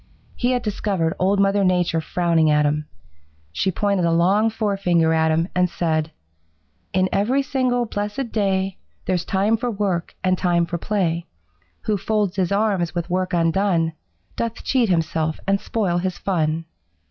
He had discovered Old Mother Nature frowning at him. She pointed a long forefinger at him and said: 'In every single blessed day There's time for work and time for play. Who folds his arms with work undone Doth cheat himself and spoil his fun.'